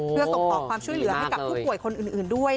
เพื่อส่งต่อความช่วยเหลือให้กับผู้ป่วยคนอื่นด้วย